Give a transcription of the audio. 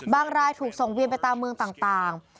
รายถูกส่งเวียนไปตามเมืองต่าง